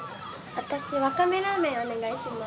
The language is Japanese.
私わかめラーメンお願いします。